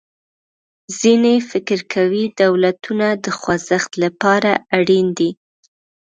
ځینې فکر کوي دولتونه د خوځښت له پاره اړین دي.